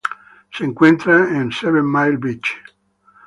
Se encuentra en Seven Mile Beach.